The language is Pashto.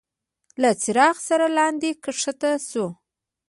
له څراغ سره لاندي کښته شو.